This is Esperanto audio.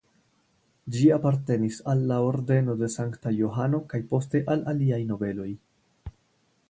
Ĝi apartenis al la Ordeno de Sankta Johano kaj poste al aliaj nobeloj.